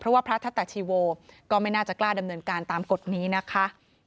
เพราะว่าพระทัตตาชีโวก็ไม่น่าจะกล้าดำเนินการตามกฎนี้นะคะ